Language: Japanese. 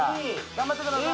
頑張ってください！